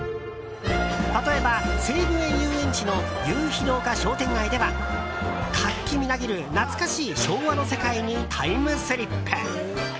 例えば、西武園ゆうえんちの夕日の丘商店街では活気みなぎる、懐かしい昭和の世界にタイムスリップ。